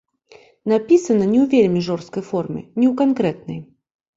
Напісана не ў вельмі жорсткай форме, не ў канкрэтнай.